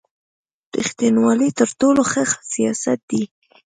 رېښتینوالي تر ټولو ښه سیاست دی.